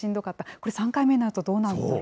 これ３回目になると、どうなるんでしょう。